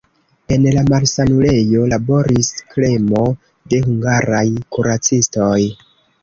En la malsanulejo laboris kremo de hungaraj kuracistoj.